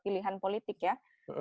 pilihan politiknya pemerintah